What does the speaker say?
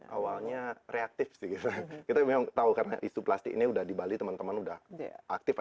awalnya reaktif sih kita memang tahu karena isu plastik ini udah di bali teman teman udah aktif